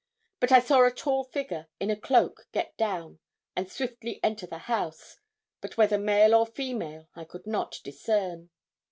But I saw a tall figure, in a cloak, get down and swiftly enter the house, but whether male or female I could not discern.